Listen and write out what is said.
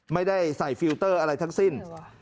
ไม่ได้ใส่ฟิลเตอร์อะไรทั้งสิ้น